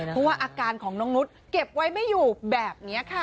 เพราะว่าอาการของน้องนุษย์เก็บไว้ไม่อยู่แบบนี้ค่ะ